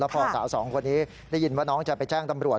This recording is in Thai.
พอสาวสองคนนี้ได้ยินว่าน้องจะไปแจ้งตำรวจ